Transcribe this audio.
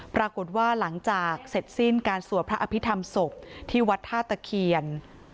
ปรากฏว่าหลังจากเสร็จสิ้นการสวดพระอภิษฐรรมศพที่วัดท่าตะเคียน